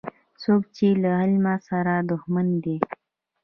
څوک چي له علم سره دښمن دی